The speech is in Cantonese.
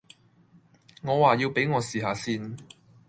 我話要畀我試吓先。